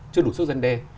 chưa đủ sức dân đe